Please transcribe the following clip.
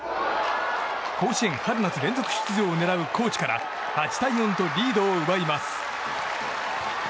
甲子園春夏連続出場を狙う高知から８対４とリードを奪います。